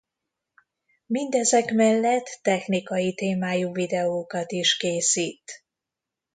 Mindezek mellett technikai témájú videókat is készít.